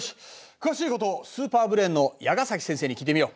詳しいことをスーパーブレーンの矢ケ先生に聞いてみよう。